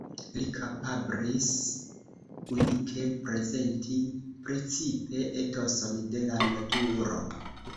Li kapablis unike prezenti precipe etoson de la naturo.